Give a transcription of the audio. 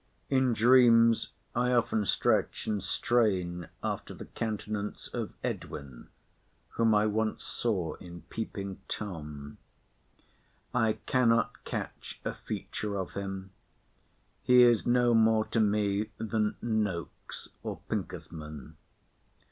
In dreams I often stretch and strain after the countenance of Edwin, whom I once saw in Peeping Tom. I cannot catch a feature of him. He is no more to me than Nokes or Pinkethman.